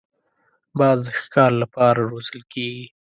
باز د ښکار له پاره روزل کېږي